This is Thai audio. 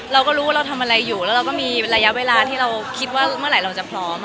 เราก็รู้ว่าเราทำอะไรอยู่แล้วเราก็มีระยะเวลาที่เราคิดว่าเมื่อไหร่เราจะพร้อม